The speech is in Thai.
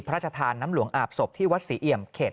พระราชทานน้ำหลวงอาบศพที่วัดศรีเอี่ยมเขต